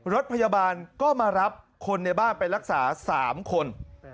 รถพยาบาลก็มารับคนในบ้านไปรักษา๓คน